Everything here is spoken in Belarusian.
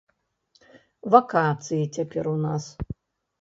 Вакацыі цяпер у нас.